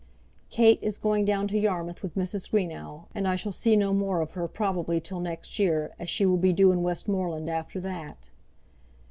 Kate is going down to Yarmouth with Mrs. Greenow, and I shall see no more of her probably till next year, as she will be due in Westmoreland after that.